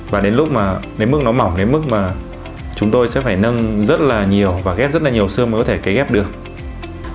và đến lúc mà đến mức nó mỏng đến mức mà chúng tôi sẽ phải nâng rất là nhiều và ghép rất là nhiều sơ mới có thể cấy ghép được